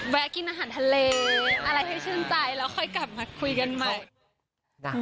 กินอาหารทะเลอะไรให้ชื่นใจแล้วค่อยกลับมาคุยกันใหม่